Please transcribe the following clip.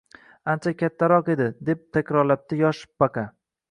— Ancha kattaroq edi, — deb takrorlabdi yosh Baqa